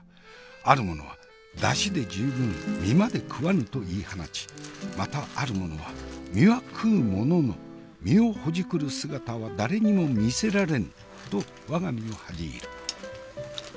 ある者は「出汁で十分身まで食わぬ」と言い放ちまたある者は「身は食うものの身をほじくる姿は誰にも見せられぬ」と我が身を恥じ入る。